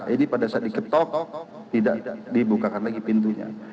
ini pada saat diketok tidak dibukakan lagi pintunya